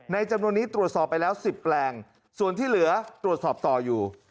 จำนวนนี้ตรวจสอบไปแล้ว๑๐แปลงส่วนที่เหลือตรวจสอบต่ออยู่